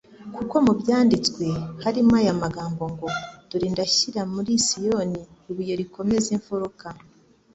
kuko mu Byanditswe harimo aya magambo ngo : Dore ndashyira muri Sioni ibuye rikomeza imfuruka,